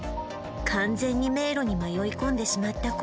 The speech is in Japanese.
完全に迷路に迷い込んでしまったこ